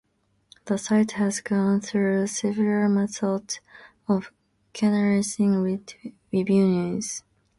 The site has gone through several methods of generating revenue.